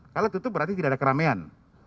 kalau tutup berarti tidak ada keramaian